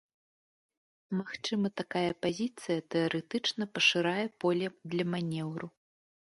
Магчыма, такая пазіцыя тэарэтычна пашырае поле для манеўру.